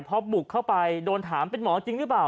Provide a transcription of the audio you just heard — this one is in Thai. พอบุกเข้าไปโดนถามเป็นหมอจริงหรือเปล่า